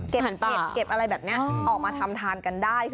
เก็บอะไรแบบนี้ออกมาทำทานกันได้